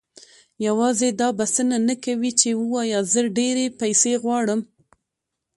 يوازې دا بسنه نه کوي چې وواياست زه ډېرې پيسې غواړم.